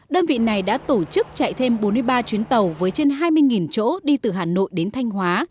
đơn vị này đã tổ chức chạy thêm bốn mươi ba chuyến tàu với trên hai mươi chỗ đi từ hà nội đến thanh hóa